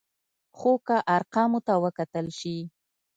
خو که ارقامو ته وکتل شي،